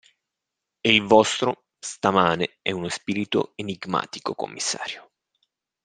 E il vostro, stamane, è uno spirito enigmatico, commissario!